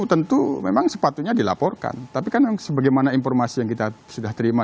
tentu memang sepatutnya dilaporkan tapi kan sebagaimana informasi yang kita sudah terima